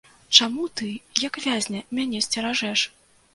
Чаму ты, як вязня, мяне сцеражэш?